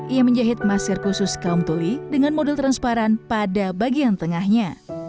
ia menjahit masir khusus kaum tuli dengan model transparan pada bagian tengahnya